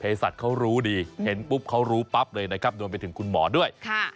สัตว์เขารู้ดีเห็นปุ๊บเขารู้ปั๊บเลยนะครับรวมไปถึงคุณหมอด้วย